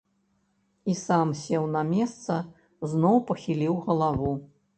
І сам сеў на месца, зноў пахіліў галаву.